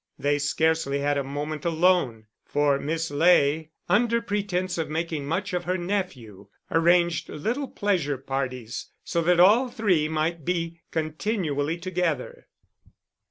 They scarcely had a moment alone, for Miss Ley, under pretence of making much of her nephew, arranged little pleasure parties, so that all three might be continually together.